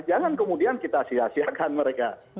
jangan kemudian kita sia siakan mereka